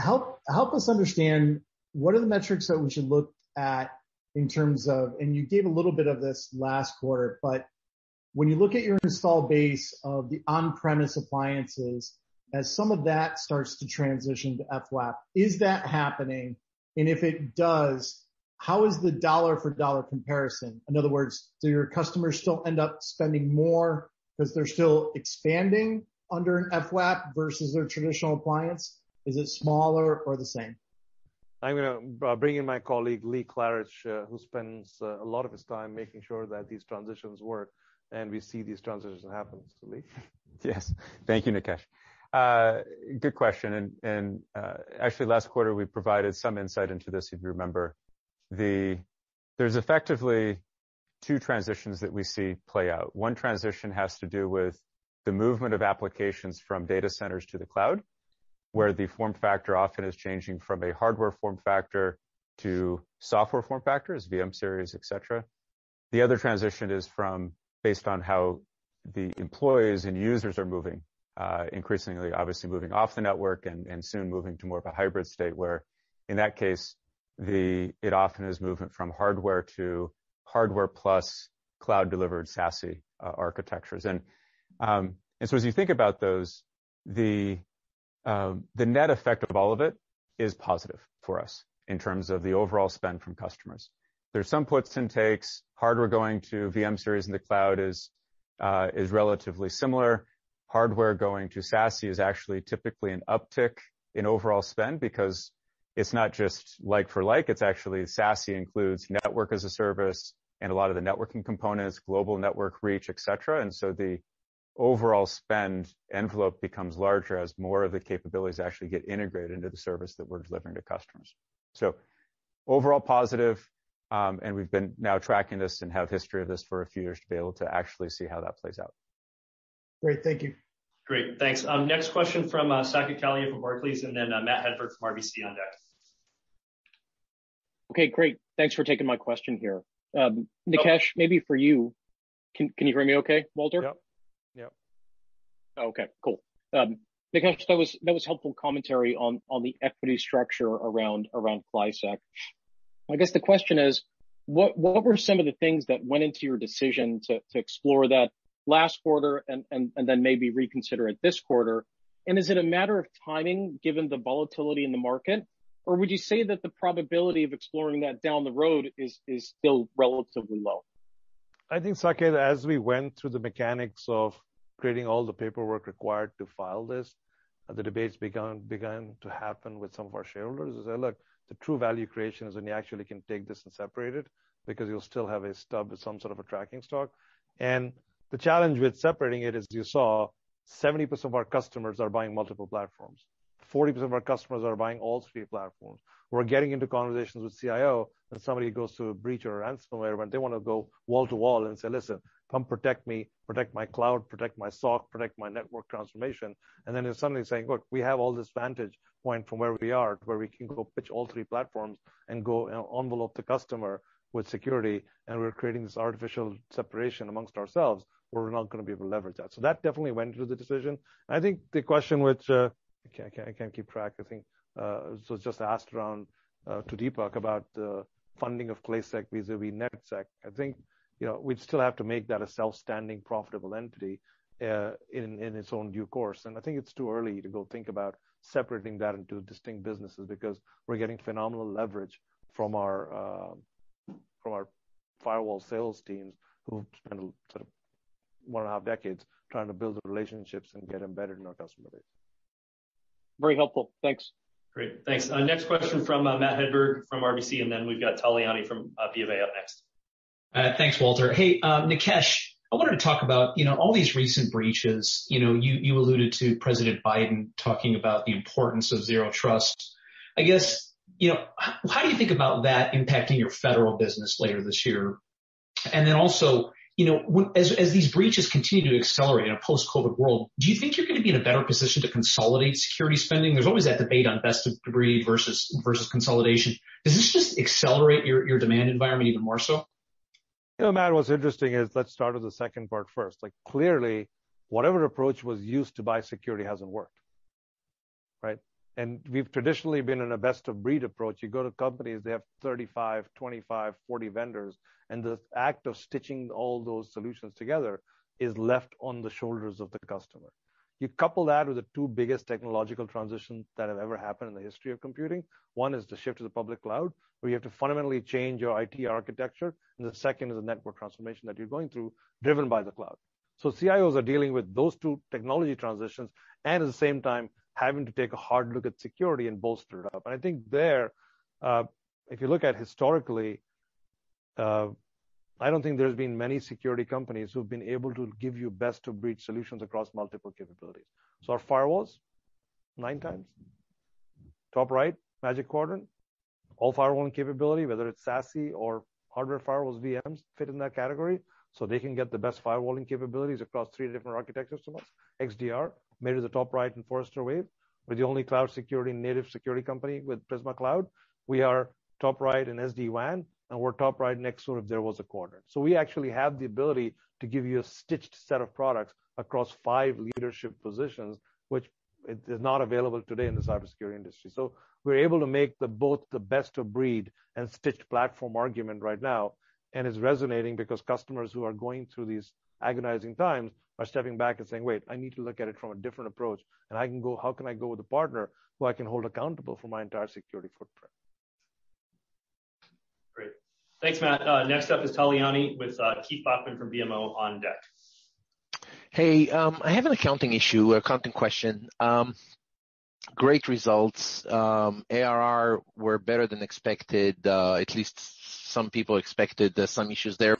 Help us understand what are the metrics that we should look at in terms of, and you gave a little bit of this last quarter, but when you look at your install base of the on-premise appliances, as some of that starts to transition to FWaaP, is that happening? If it does, how is the dollar for dollar comparison? In other words, do your customers still end up spending more because they're still expanding under an FWaaP versus their traditional appliance? Is it smaller or the same? I'm going to bring in my colleague, Lee Klarich, who spends a lot of his time making sure that these transitions work and we see these transitions happen. So Lee? Yes. Thank you, Nikesh. Good question. Actually, last quarter, we provided some insight into this, if you remember. There's effectively two transitions that we see play out. One transition has to do with the movement of applications from data centers to the cloud, where the form factor often is changing from a hardware form factor to software form factors, VM-Series, etc. The other transition is from based on how the employees and users are moving. Increasingly, obviously, moving off the network and soon moving to more of a hybrid state where, in that case, it often is movement from hardware to hardware plus cloud delivered SASE architectures. As you think about those, the net effect of all of it is positive for us in terms of the overall spend from customers. There's some puts and takes. Hardware going to VM-Series in the cloud is relatively similar. Hardware going to SASE is actually typically an uptick in overall spend because it's not just like for like, it's actually SASE includes network as a service and a lot of the networking components, global network reach, etc. The overall spend envelope becomes larger as more of the capabilities actually get integrated into the service that we're delivering to customers. Overall positive, and we've been now tracking this and have history of this for a few years to be able to actually see how that plays out. Great. Thank you. Great. Thanks. Next question from, Saket Kalia from Barclays and then Matt Hedberg from RBC on deck. Okay, great. Thanks for taking my question here. Nikesh, maybe for you. Can you hear me okay, Walter? Yep. Okay, cool. Nikesh, that was helpful commentary on the equity structure around ClaiSec. I guess the question is, what were some of the things that went into your decision to explore that last quarter and then maybe reconsider it this quarter? Is it a matter of timing given the volatility in the market, or would you say that the probability of exploring that down the road is still relatively low? I think, Saket, as we went through the mechanics of creating all the paperwork required to file this, the debates began to happen with some of our shareholders. They say, "Look, the true value creation is when you actually can take this and separate it because you'll still have a stub as some sort of a tracking stock." The challenge with separating it, as you saw, 70% of our customers are buying multiple platforms. 40% of our customers are buying all three platforms. We're getting into conversations with CIO and somebody who goes through a breach or a ransomware event. They want to go wall to wall and say, "Listen, come protect me, protect my cloud, protect my SOC, protect my network transformation." They're suddenly saying, "Look, we have all this vantage point from where we are to where we can go pitch all three platforms and go and envelope the customer with security, and we're creating this artificial separation amongst ourselves where we're not going to be able to leverage that." That definitely went into the decision. The question which, I can't keep track, it was just asked around, to Dipak about the funding of ClaiSec vis-à-vis NetSec. We'd still have to make that a self-standing, profitable entity in its own due course. I think it's too early to go think about separating that into distinct businesses because we're getting phenomenal leverage from our firewall sales teams who've spent one and a half decades trying to build the relationships and get embedded in our customer base. Very helpful. Thanks. Great. Thanks. Next question from Matt Hedberg from RBC, and then we've got Tal Liani from BofA up next. Thanks, Walter. Hey, Nikesh, I wanted to talk about all these recent breaches. You alluded to President Biden talking about the importance of zero trust. I guess, how do you think about that impacting your federal business later this year? As these breaches continue to accelerate in a post-COVID world, do you think you're going to be in a better position to consolidate security spending? There's always that debate on best of breed versus consolidation. Does this just accelerate your demand environment even more so? Matt, what's interesting is let's start with the second part first. Clearly, whatever approach was used to buy security hasn't worked, right? We've traditionally been in a best of breed approach. You go to companies, they have 35, 25, 40 vendors, and the act of stitching all those solutions together is left on the shoulders of the customer. You couple that with the two biggest technological transitions that have ever happened in the history of computing. One is the shift to the public cloud, where you have to fundamentally change your IT architecture, and the second is the network transformation that you're going through driven by the cloud. CIOs are dealing with those two technology transitions, and at the same time having to take a hard look at security and bolster it up. I think there, if you look at historically, I don't think there's been many security companies who've been able to give you best of breed solutions across multiple capabilities. Our firewalls, nine times. Top right, Magic Quadrant, all firewalling capability, whether it's SASE or hardware firewalls, VMs fit in that category, so they can get the best firewalling capabilities across three different architectures from us. XDR made it to top right in Forrester Wave. We're the only cloud security, native security company with Prisma Cloud. We are top right in SD-WAN, and we're top right in XSOAR if there was a quadrant. We actually have the ability to give you a stitched set of products across five leadership positions, which is not available today in the cybersecurity industry. We're able to make both the best of breed and stitched platform argument right now, and it's resonating because customers who are going through these agonizing times are stepping back and saying, "Wait, I need to look at it from a different approach, and how can I go with a partner who I can hold accountable for my entire security footprint? Great. Thanks, Matt. Next up is Tal Liani with Keith Bachman from BMO on deck. Hey, I have an accounting issue, accounting question. Great results. ARR were better than expected. At least some people expected some issues there.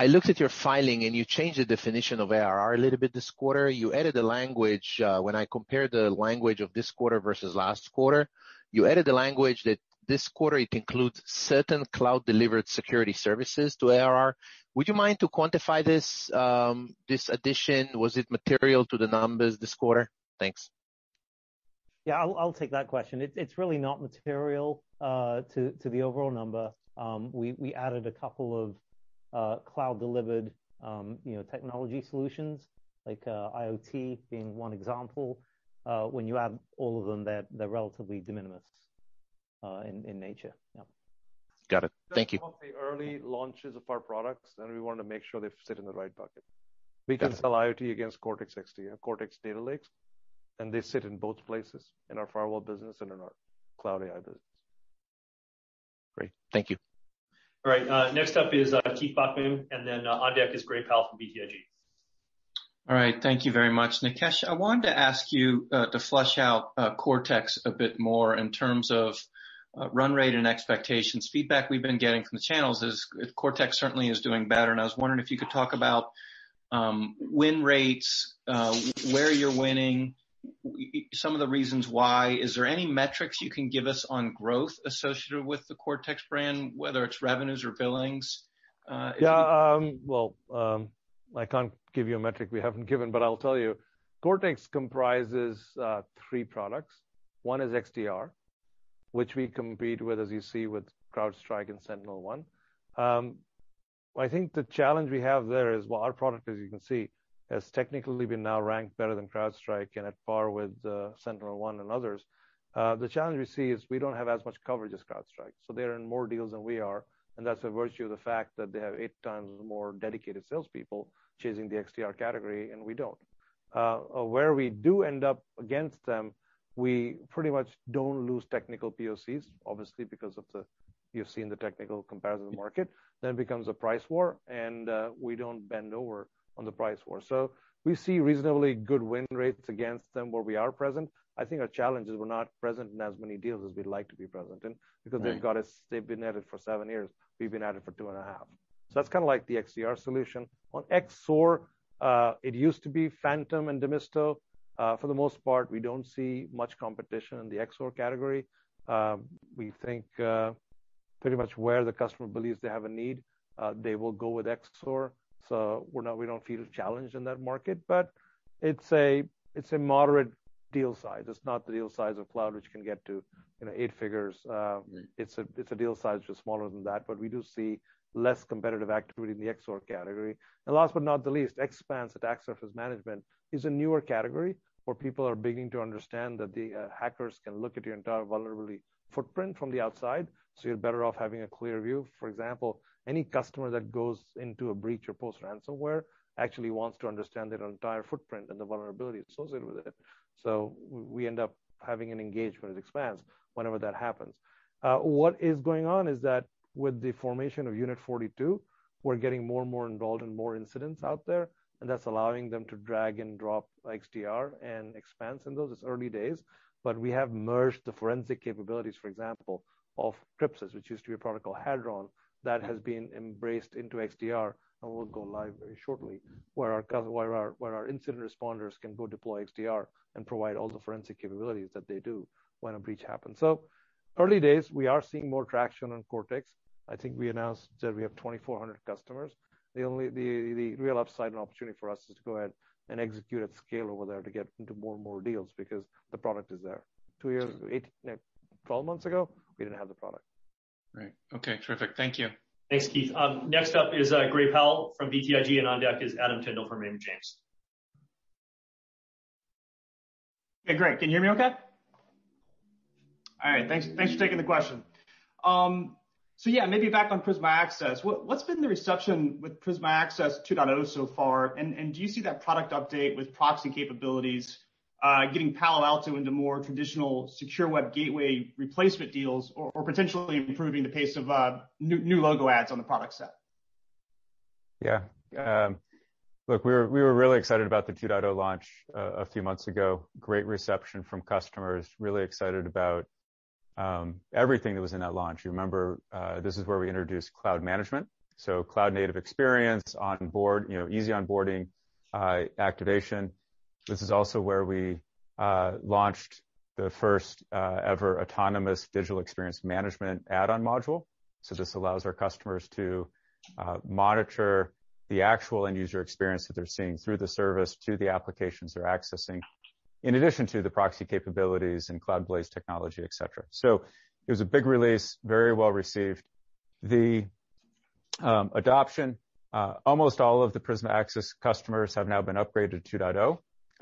I looked at your filing, and you changed the definition of ARR a little bit this quarter. You added the language, when I compare the language of this quarter versus last quarter, you added the language that this quarter it includes certain cloud-delivered security services to ARR. Would you mind to quantify this addition? Was it material to the numbers this quarter? Thanks. Yeah, I'll take that question. It's really not material to the overall number. We added a couple of cloud-delivered technology solutions, like IoT being one example. When you add all of them, they're relatively de minimis in nature. Yeah. Got it. Thank you. Those are some of the early launches of our products, and we want to make sure they sit in the right bucket. Got it. We can sell IoT against Cortex XDR, Cortex Data Lake, and they sit in both places, in our firewall business and in our Cloud AI business. Great. Thank you. All right, next up is Keith Bachman, and then on deck is Gray Powell from BTIG. All right, thank you very much. Nikesh, I wanted to ask you to flesh out Cortex a bit more in terms of run rate and expectations. Feedback we've been getting from the channels is Cortex certainly is doing better, and I was wondering if you could talk about win rates, where you're winning, some of the reasons why. Is there any metrics you can give us on growth associated with the Cortex brand, whether it's revenues or billings? Yeah. Well, I can't give you a metric we haven't given, but I'll tell you. Cortex comprises three products. One is XDR, which we compete with, as you see, with CrowdStrike and SentinelOne. I think the challenge we have there is, well, our product, as you can see, has technically been now ranked better than CrowdStrike and at par with SentinelOne and others. The challenge we see is we don't have as much coverage as CrowdStrike. They're in more deals than we are, that's a virtue of the fact that they have eight times more dedicated salespeople chasing the XDR category. We don't. Where we do end up against them, we pretty much don't lose technical POCs, obviously, because you've seen the technical comparison market. It becomes a price war. We don't bend over on the price war. We see reasonably good win rates against them where we are present. I think our challenge is we're not present in as many deals as we'd like to be present in. Right. They've been at it for seven years, we've been at it for two and a half. That's the XDR solution. On XSOAR, it used to be Phantom and Demisto. For the most part, we don't see much competition in the XSOAR category. We think pretty much where the customer believes they have a need, they will go with XSOAR. We don't feel challenged in that market, but it's a moderate deal size. It's not the deal size of cloud, which can get to eight figures. It's a deal size just smaller than that, but we do see less competitive activity in the XSOAR category. Last but not the least, Expanse, attack surface management, is a newer category where people are beginning to understand that the hackers can look at your entire vulnerability footprint from the outside, so you're better off having a clear view. For example, any customer that goes into a breach or post-ransomware actually wants to understand their entire footprint and the vulnerability associated with it. We end up having an engagement with Expanse whenever that happens. What is going on is that with the formation of Unit 42, we're getting more and more involved in more incidents out there, and that's allowing them to drag and drop XDR and Expanse in those. It's early days, but we have merged the forensic capabilities, for example, of Crypsis, which used to be a product called Hadron, that has been embraced into XDR and will go live very shortly, where our incident responders can go deploy XDR and provide all the forensic capabilities that they do when a breach happens. Early days, we are seeing more traction on Cortex. I think we announced that we have 2,400 customers. The real upside and opportunity for us is to go ahead and execute at scale over there to get into more and more deals because the product is there. Two years, 12 months ago, we didn't have the product. Right. Okay, terrific. Thank you. Thanks, Keith. Next up is Gray Powell from BTIG, and on deck is Adam Tindle from Raymond James. Hey, Gray, can you hear me okay? All right, thanks for taking the question. Yeah, maybe back on Prisma Access. What's been the reception with Prisma Access 2.0 so far, and do you see that product update with proxy capabilities getting Palo Alto into more traditional secure web gateway replacement deals or potentially improving the pace of new logo adds on the product set? Yeah. Look, we were really excited about the 2.0 launch a few months ago. Great reception from customers. Really excited about everything that was in that launch. Remember, this is where we introduced cloud management, cloud-native experience, easy onboarding, activation. This is also where we launched the first-ever autonomous digital experience management add-on module. This allows our customers to monitor the actual end-user experience that they're seeing through the service to the applications they're accessing, in addition to the proxy capabilities and CloudBlaze technology, etc. It was a big release, very well-received. The adoption, almost all of the Prisma Access customers have now been upgraded to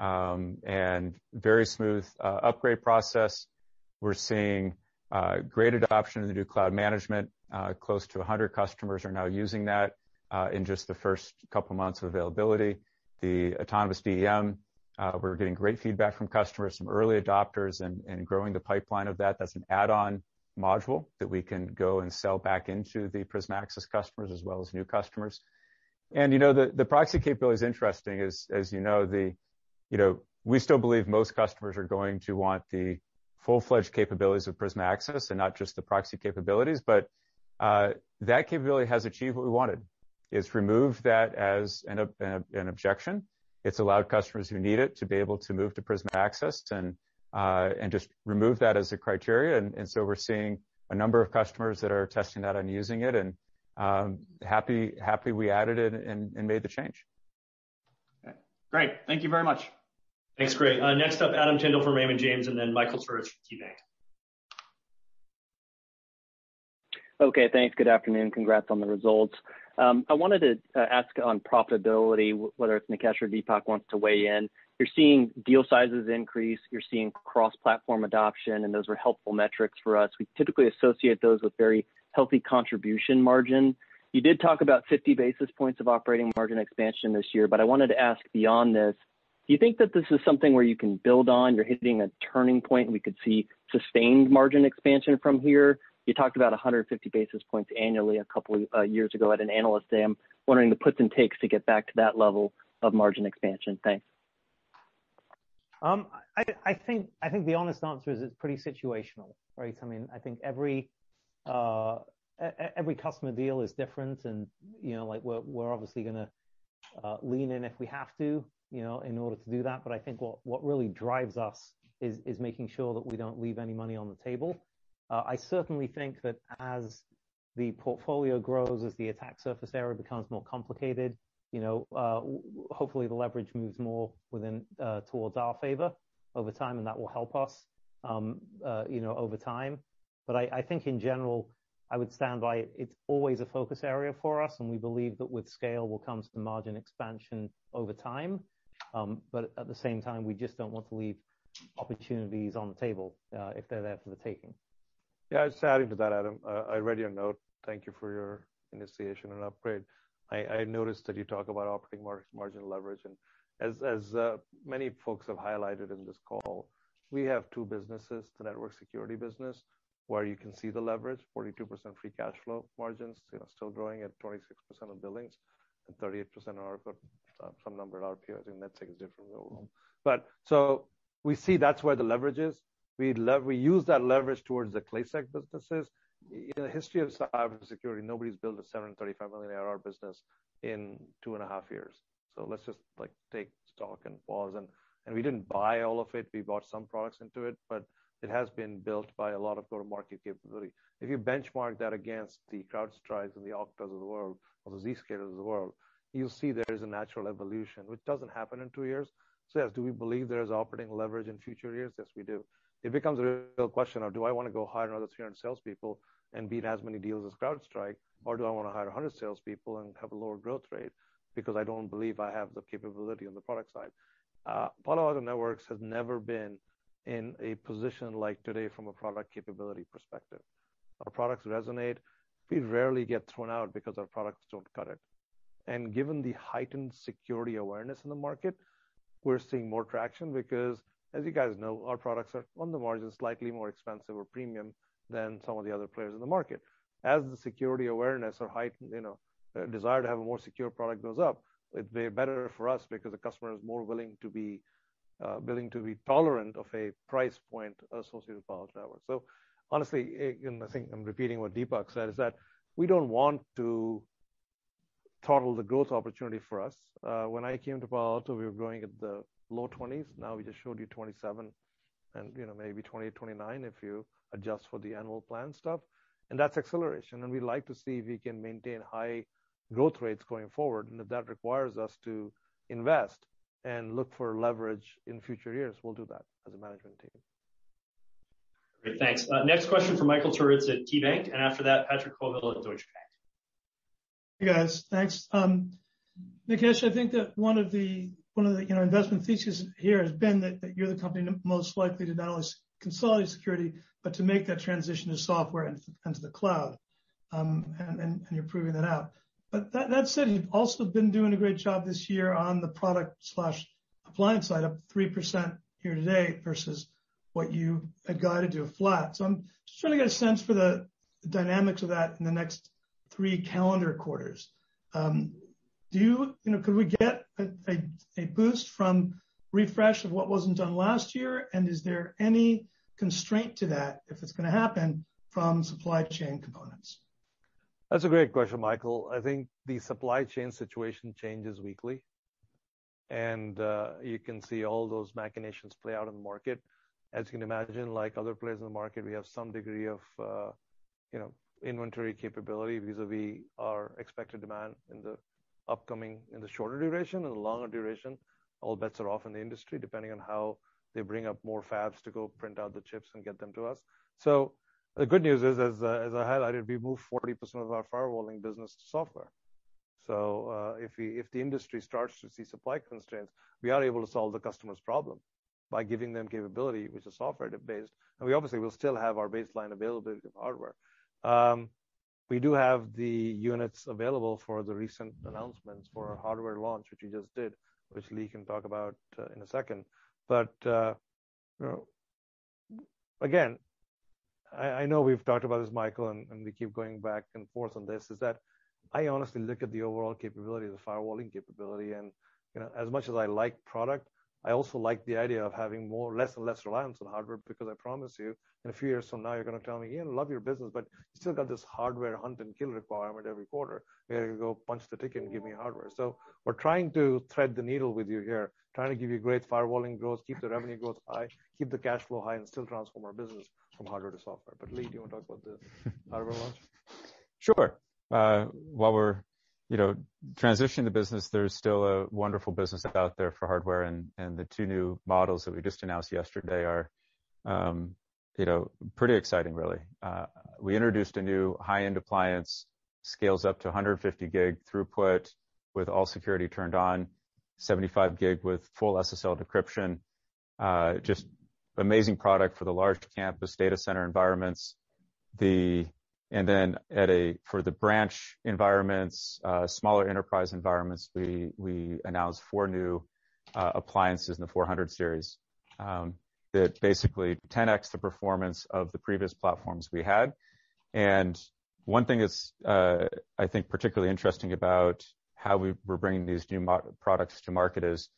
2.0, very smooth upgrade process. We're seeing great adoption of the new cloud management. Close to 100 customers are now using that in just the first couple of months of availability. The autonomous DEM, we're getting great feedback from customers, some early adopters, and growing the pipeline of that. That's an add-on module that we can go and sell back into the Prisma Access customers as well as new customers. The proxy capability is interesting, as you know. We still believe most customers are going to want the full-fledged capabilities of Prisma Access and not just the proxy capabilities, that capability has achieved what we wanted. It's removed that as an objection. It's allowed customers who need it to be able to move to Prisma Access and just remove that as a criteria, we're seeing a number of customers that are testing that and using it, happy we added it and made the change. Great. Thank you very much. Thanks. Great. Next up, Adam Tindle from Raymond James, and then Michael Turits from KeyBanc. Okay, thanks. Good afternoon. Congrats on the results. I wanted to ask on profitability, whether Nikesh or Dipak wants to weigh in. You're seeing deal sizes increase, you're seeing cross-platform adoption, and those are helpful metrics for us. We typically associate those with very healthy contribution margin. You did talk about 50 basis points of operating margin expansion this year, but I wanted to ask beyond this, do you think that this is something where you can build on? You're hitting a turning point, and we could see sustained margin expansion from here? You talked about 150 basis points annually a couple years ago at an analyst day. I'm wondering the puts and takes to get back to that level of margin expansion. Thanks. I think the honest answer is it's pretty situational, right? I think every customer deal is different, and we're obviously going to lean in if we have to in order to do that. I think what really drives us is making sure that we don't leave any money on the table. I certainly think that as the portfolio grows, as the attack surface area becomes more complicated, hopefully the leverage moves more towards our favor over time, and that will help us over time. I think in general, I would stand by it's always a focus area for us, and we believe that with scale will come some margin expansion over time. At the same time, we just don't want to leave opportunities on the table if they're there for the taking. Yeah. I'd be happy with that, Adam. I read your note. Thank you for your initiation and upgrade. I noticed that you talk about operating margin leverage, and as many folks have highlighted in this call, we have two businesses. The Network Security business, where you can see the leverage, 42% free cash flow margins, still growing at 26% of billings and 38% of some number of RPO. I think Nikesh gave the number earlier on. We see that's where the leverage is. We use that leverage towards the ClaiSec businesses. In the history of cybersecurity, nobody's built a $735 million ARR business in two and a half years. Let's just take stock and pause. We didn't buy all of it. We bought some products into it, but it has been built by a lot of go-to-market capability. If you benchmark that against the CrowdStrike and the Okta of the world or the Zscaler of the world, you'll see there is a natural evolution, which doesn't happen in two years. Yes, do we believe there's operating leverage in future years? Yes, we do. It becomes a real question of do I want to go hire another 200 salespeople and beat as many deals as CrowdStrike, or do I want to hire 100 salespeople and have a lower growth rate because I don't believe I have the capability on the product side? Palo Alto Networks has never been in a position like today from a product capability perspective. Our products resonate. We rarely get thrown out because our products don't cut it. Given the heightened security awareness in the market, we're seeing more traction because, as you guys know, our products are on the margin, slightly more expensive or premium than some of the other players in the market. As the security awareness or desire to have a more secure product goes up, it'd be better for us because the customer is more willing to be tolerant of a price point associated with Palo Alto Networks. Honestly, I think I'm repeating what Dipak said, is that we don't want to throttle the growth opportunity for us. When I came to Palo Alto, we were growing at the low 20s. Now we just showed you 27, and maybe 28, 29 if you adjust for the annual plan stuff. That's acceleration, and we'd like to see if we can maintain high growth rates going forward. If that requires us to invest and look for leverage in future years, we'll do that as a management team. Great. Thanks. Next question from Michael Turits at KeyBanc, and after that, Patrick Colville at Deutsche Bank. Hey, guys. Thanks. Nikesh, I think that one of the investment thesis here has been that you're the company most likely to now consolidate security, but to make that transition to software and to the cloud, and you're proving that out. That said, you've also been doing a great job this year on the product. Appliance side up 3% here today versus what you had guided to a flat. I'm just trying to get a sense for the dynamics of that in the next three calendar quarters. Could we get a boost from refresh of what wasn't done last year, and is there any constraint to that if it's going to happen from supply chain components? That's a great question, Michael. I think the supply chain situation changes weekly, and you can see all those machinations play out in the market. As you can imagine, like other players in the market, we have some degree of inventory capability vis-a-vis our expected demand in the shorter duration. In the longer duration, all bets are off in the industry, depending on how they bring up more fabs to go print out the chips and get them to us. The good news is, as I highlighted, we moved 40% of our firewalling business to software. If the industry starts to see supply constraints, we are able to solve the customer's problem by giving them capability, which is software-based. We obviously will still have our baseline availability of hardware. We do have the units available for the recent announcements for our hardware launch, which we just did, which Lee can talk about in a second. Again, I know we've talked about this, Michael, and we keep going back and forth on this, is that I honestly look at the overall capability of the firewalling capability. As much as I like product, I also like the idea of having less and less reliance on hardware because I promise you, in a few years from now, you're going to tell me, "Yeah, love your business, but you still got this hardware hunt and kill requirement every quarter where you go punch the ticket and give me hardware." We're trying to thread the needle with you here, trying to give you great firewalling growth, keep the revenue growth high, keep the cash flow high, and still transform our business from hardware to software. Lee, do you want to talk about the hardware launch? Sure. While we're transitioning the business, there's still a wonderful business out there for hardware, and the two new models that we just announced yesterday are pretty exciting really. We introduced a new high-end appliance, scales up to 150 gig throughput with all security turned on, 75 gig with full SSL decryption. Just amazing product for the large campus data center environments. For the branch environments, smaller enterprise environments, we announced four new appliances in the PA-400 Series that basically 10x the performance of the previous platforms we had. One thing that's I think particularly interesting about how we're bringing these new products to market is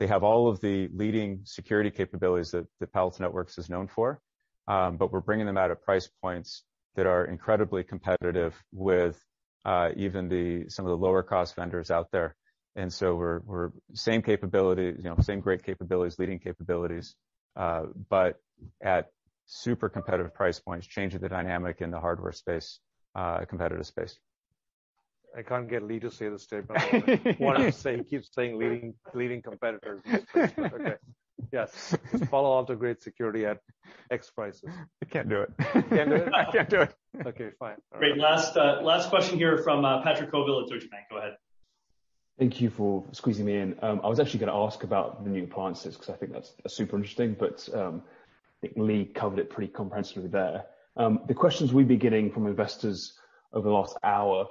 they have all of the leading security capabilities that Palo Alto Networks is known for. We're bringing them out at price points that are incredibly competitive with even some of the lower cost vendors out there. We're same great capabilities, leading capabilities, but at super competitive price points, changing the dynamic in the hardware space, competitive space. I can't get Lee to say the statement I want him to say. He keeps saying leading competitors instead. Okay. Yes. Follow up to great security at X prices. I can't do it. You can't do it? I can't do it. Okay, fine. All right. Great. Last question here from Patrick Colville at Deutsche Bank. Go ahead. Thank you for squeezing me in. I was actually going to ask about the new appliances because I think that's super interesting, but I think Lee covered it pretty comprehensively there. The questions we've been getting from investors over the last hour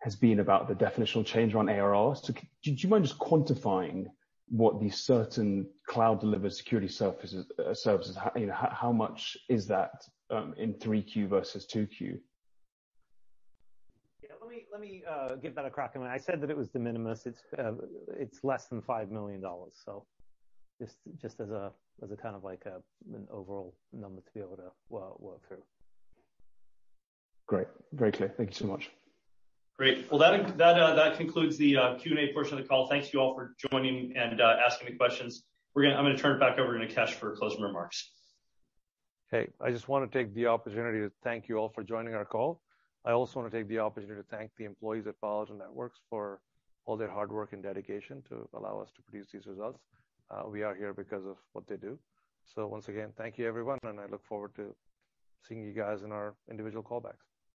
has been about the definitional change around ARRs. Do you mind just quantifying what the certain cloud delivered security services, how much is that in 3Q versus 2Q? Yeah, let me give that a crack. I said that it was de minimis. It's less than $5 million. Just as a kind of like an overall number to be able to work through. Great. Very clear. Thank you so much. Great. Well, that concludes the Q&A portion of the call. Thank you all for joining and asking the questions. I'm going to turn it back over to Nikesh Arora for closing remarks. I just want to take the opportunity to thank you all for joining our call. I also want to take the opportunity to thank the employees at Palo Alto Networks for all their hard work and dedication to allow us to produce these results. We are here because of what they do. Once again, thank you everyone, and I look forward to seeing you guys in our individual callbacks.